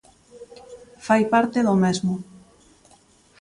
Fai parte do mesmo.